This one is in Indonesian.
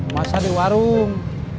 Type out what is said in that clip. masa di warung